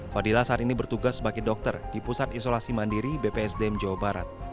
fadilah saat ini bertugas sebagai dokter di pusat isolasi mandiri bpsdm jawa barat